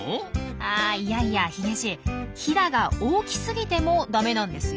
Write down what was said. あいやいやヒゲじいヒダが大きすぎてもダメなんですよ。